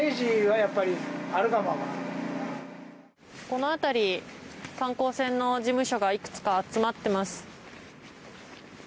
この辺り観光船の事務所がいくつか集まってます。